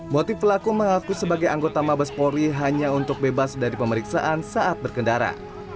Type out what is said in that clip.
motif pelaku mengaku sebagai anggota mabes polri hanya untuk bebas dari pemeriksaan saat berkendara